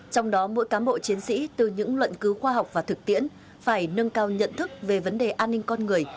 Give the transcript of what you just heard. trong đó mỗi cán bộ chiến sĩ từ những luận cứu khoa học và thực tiễn phải nâng cao nhận thức về vấn đề an ninh con người